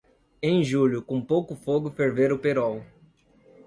Em julho, com pouco fogo ferver o perol.